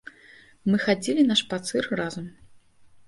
Мы хадзілі на шпацыр разам.